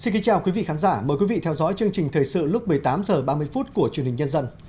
chương trình thời sự tối nay thứ ba ngày chín tháng năm sẽ có những nội dung chính sau đây